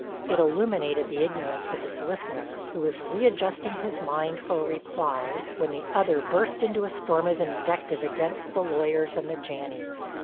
It illuminated the ignorance of his listener, who was readjusting his mind for a reply when the other burst into a storm of invective against the lawyers and the Janneys.